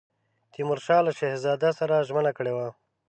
تیمورشاه له شهزاده سره ژمنه کړې وه.